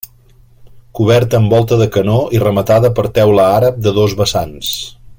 Coberta amb volta de canó i rematada per teula àrab de dos vessants.